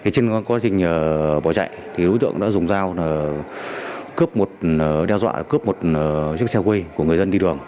trên quá trình bỏ chạy đối tượng đã dùng dao cướp một chiếc xe quê của người dân đi đường